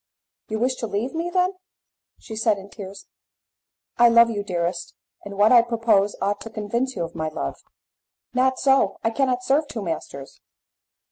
"You wish to leave me, then," said she, in tears. "I love you, dearest, and what I propose ought to convince you of my love." "Not so; I cannot serve two masters."